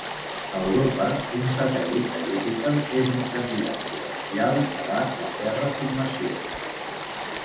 Europa, un satèl·lit de Júpiter, és un candidat potencial per a la terraformació.